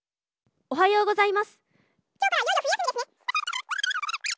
おはようございます！」